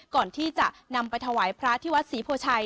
ก่อนที่จะนำไปถวายพระที่วัดศรีโพชัย